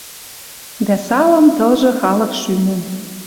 Дӓ салым тылжы халык шӱмӹн.